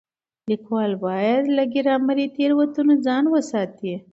ليکوال بايد له ګرامري تېروتنو ځان وساتي.